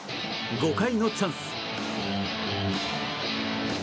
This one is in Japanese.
５回のチャンス。